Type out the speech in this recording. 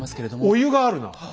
「お湯」があるな。